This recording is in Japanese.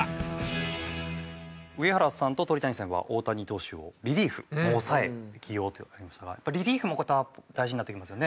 上原さんと鳥谷さんは大谷投手をリリーフ抑えで起用というのがありましたがリリーフもまた大事になってきますよね。